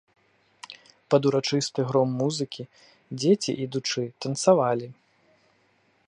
Пад урачысты гром музыкі дзеці, ідучы, танцавалі.